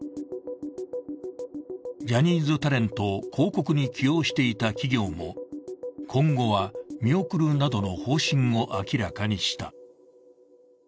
ジャニーズタレントを広告に起用していた企業も今後は見送るなどの方針を明らかにした。